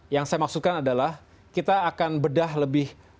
yang saya maksudkan adalah kita akan bedah lebih